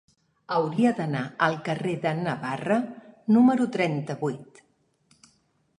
Hauria d'anar al carrer de Navarra número trenta-vuit.